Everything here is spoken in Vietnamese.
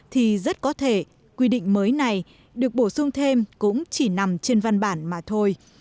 thì rất có thể quy định mới này được bổ sung thêm cũng chỉ nằm trên văn bản mà thôi